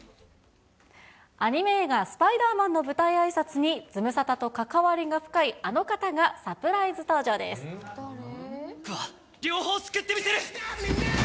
アニメ映画、スパイダーマンの舞台あいさつにズムサタと関わりが深いあの方が両方救ってみせる。